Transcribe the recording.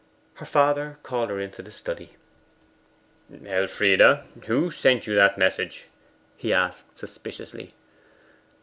Her father called her into the study. 'Elfride, who sent you that message?' he asked suspiciously.